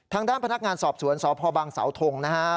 ทางด้านพนักงานสอบสวนสพบังเสาทงนะฮะ